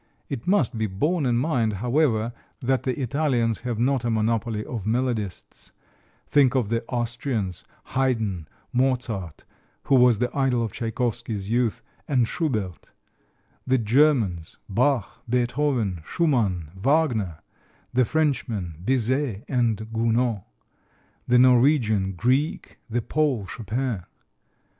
It must be borne in mind, however, that the Italians have not a monopoly of melodists think of the Austrians, Haydn, Mozart (who was the idol of Tchaikovsky's youth) and Schubert; the Germans, Bach, Beethoven, Schumann, Wagner; the Frenchmen, Bizet and Gounod; the Norwegian, Grieg; the Pole, Chopin.